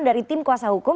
dari tim kuasa hukum